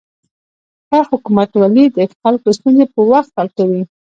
ښه حکومتولي د خلکو ستونزې په وخت حل کوي.